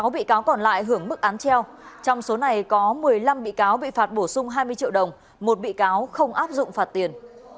sáu bị cáo còn lại hưởng mức án treo trong số này có một mươi năm bị cáo bị phạt bổ sung hai mươi triệu đồng một bị cáo không áp dụng phạt tiền